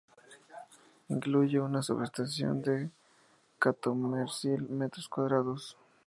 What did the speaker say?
Incluye una subestación de catorcemil metros cuadrados